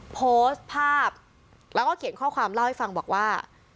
แล้วเขียนข้อความเล่าให้บอกว่า